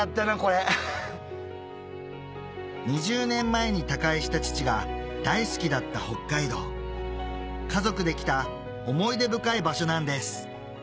２０年前に他界した父が大好きだった北海道家族で来た思い出深い場所なんです